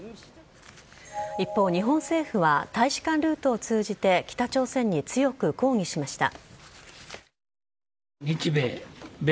一方、日本政府は大使館ルートを通じて北朝鮮に強く抗議しました。